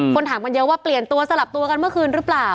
ถามกันเยอะว่าเปลี่ยนตัวสลับตัวกันเมื่อคืนหรือเปล่า